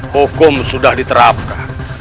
hukum sudah diterapkan